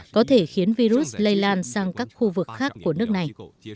có thể khiến virus lây lan sang các khu vực khác của nước này